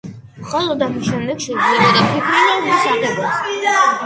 მხოლოდ ამის შემდეგ შეიძლებოდა ფიქრი რომის აღებაზე.